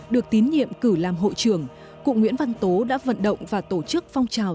được tín nhiệm cử làm hội trưởng cụ nguyễn văn tố đã vận động và tổ chức phong trào